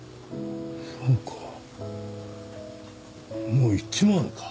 そうかもう行っちまうのか。